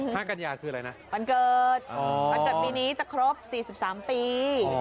ห้ากัญญาคืออะไรนะวันเกิดวันเกิดปีนี้จะครบสี่สิบสามปี